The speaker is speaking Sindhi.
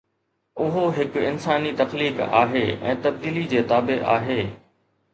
اهو هڪ انساني تخليق آهي ۽ تبديلي جي تابع آهي.